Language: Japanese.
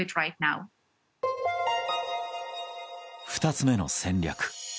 ２つ目の戦略。